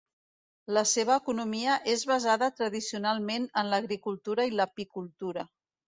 La seva economia és basada tradicionalment en l'agricultura i l'apicultura.